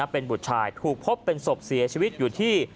เป็นบุตรชายถูกพบเป็นศพเสียชีวิตอยู่ที่